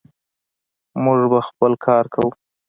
موږ به خپل کار کوو.